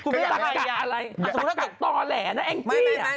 คุณแม่อะไรอาจสมมุติว่าเกิดต่อแหลนะแอ้งกี้